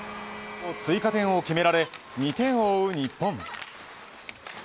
追加点を決められ２点を追う日本。